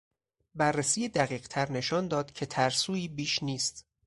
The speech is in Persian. بررسی دقیقتر نشان داد که ترسویی بیش نیست.